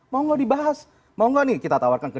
mau gak dibahas mau gak nih kita tawarkan ke